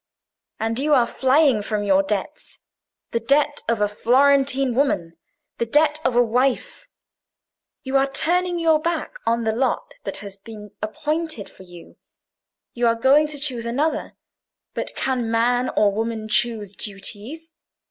"And you are flying from your debts: the debt of a Florentine woman; the debt of a wife. You are turning your back on the lot that has been appointed for you—you are going to choose another. But can man or woman choose duties?